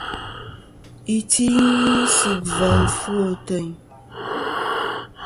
Iti ghɨ sɨ gvà ɨfwo ateyn.